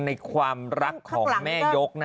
ในความรักของแม่ยก